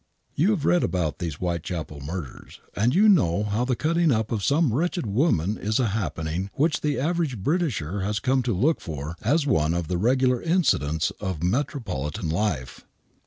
You have read about these Whitechapel murders, and you know how the cutting up of seme wretched woman is a happening which the average Britisher has come to look for as one of the regular incidents of metropolitan life.